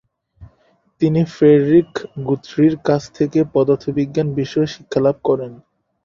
তিনি ফ্রেডরিক গুথরির কাছ থেকে পদার্থবিজ্ঞান বিষয়ে শিক্ষালাভ করেন।